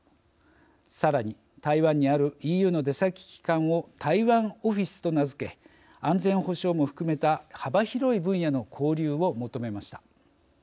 さらに台湾にあるＥＵの出先機関を台湾オフィスと名付け安全保障も含めた幅広い分野の交流を求めました。